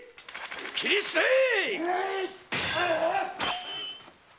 斬り捨てい‼